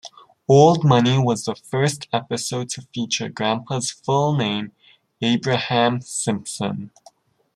"Old Money" was the first episode to feature Grampa's full name, Abraham Simpson.